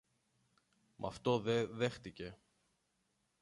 Μ' αυτό δε δέχθηκε.